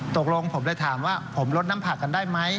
ตกลงผมเลยถามว่าผมลดน้ำผักกันได้ไหม